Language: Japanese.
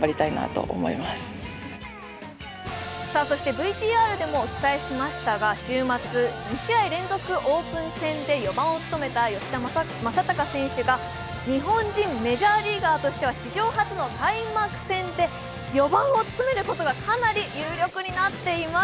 ＶＴＲでもお伝えしましたが、週末、２試合連続オープン戦で４番を務めた吉田正尚選手が日本人メジャーリーガーとしては史上初の開幕戦で４番を務めることがかなり有力になっています。